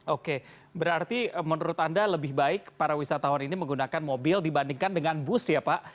oke berarti menurut anda lebih baik para wisatawan ini menggunakan mobil dibandingkan dengan bus ya pak